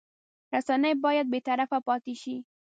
رسنۍ باید بېطرفه پاتې شي.